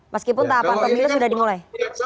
meskipun tahapan pemilu sudah dimulai